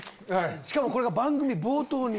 しかもこれが番組冒頭に？